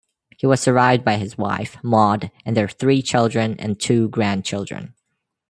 He was survived by his wife, Maud, and their three children and two grandchildren.